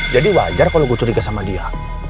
jadi wajar kalau gue curiga sama dia